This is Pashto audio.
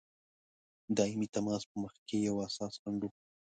دایمي تماس په مخکي یو اساسي خنډ وو.